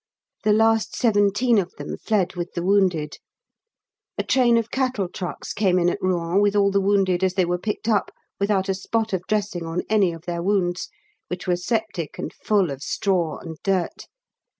The last seventeen of them fled with the wounded. A train of cattle trucks came in at Rouen with all the wounded as they were picked up without a spot of dressing on any of their wounds, which were septic and full of straw and dirt.